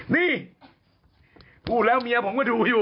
นี่พูดแล้วเมียผมก็ดูอยู่